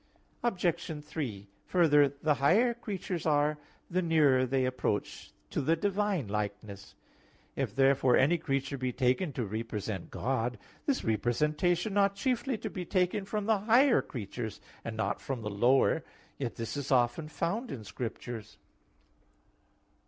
Obj. 3: Further, the higher creatures are, the nearer they approach to the divine likeness. If therefore any creature be taken to represent God, this representation ought chiefly to be taken from the higher creatures, and not from the lower; yet this is often found in Scriptures.